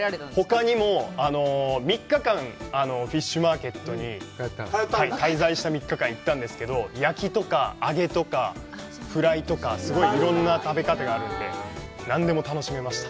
ほかにも３日間、フィッシュマーケットに滞在した３日間行ったんですけど、焼きとか、揚げとか、フライとか、すごいいろんな食べ方があるんで、何でも楽しめました。